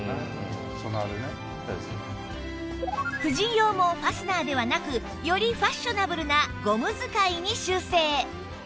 婦人用もファスナーではなくよりファッショナブルなゴム使いに修正